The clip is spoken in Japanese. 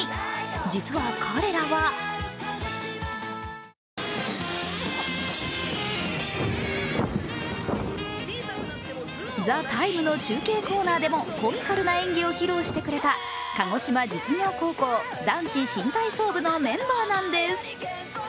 実は彼らは「ＴＨＥＴＩＭＥ，」の中継コーナーでもコミカルな演技を披露してくれた鹿児島実業高校・男子新体操部のメンバーなんです。